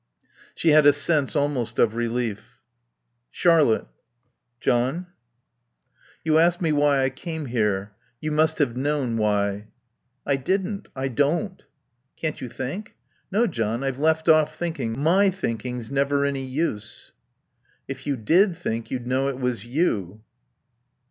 She had a sense almost of relief. "Charlotte " "John " "You asked me why I came here. You must have known why." "I didn't. I don't." "Can't you think?" "No, John. I've left off thinking. My thinking's never any use." "If you did think you'd know it was you."